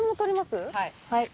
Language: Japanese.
はい。